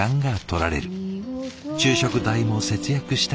昼食代も節約したい。